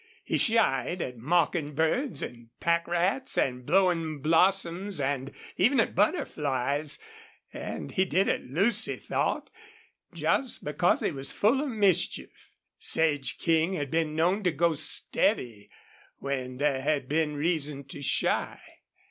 He shied at mockingbirds and pack rats and blowing blossoms and even at butterflies; and he did it, Lucy thought, just because he was full of mischief. Sage King had been known to go steady when there had been reason to shy.